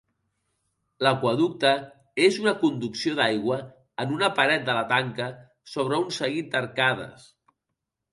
L'aqüeducte és una conducció d'aigua en una paret de la tanca sobre un seguit d'arcades.